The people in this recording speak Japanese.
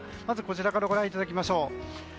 まずこちらからご覧いただきましょう。